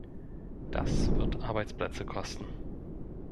Das wird Arbeitsplätze kosten.